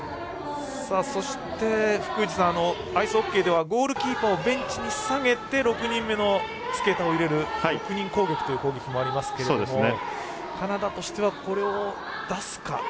そして、福藤さんアイスホッケーではゴールキーパーをベンチに下げて６人目のスケーターを入れる６人攻撃という攻撃もありますけどカナダとしては、これを出すか。